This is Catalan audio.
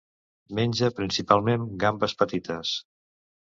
Menja principalment gambes petites.